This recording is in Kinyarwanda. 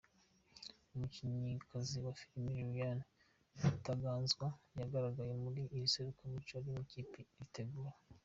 Umukinnyikazi wa filime Liane Mutaganzwa yagaragaye muri iri serukiramuco ari mu ikipe iritegura.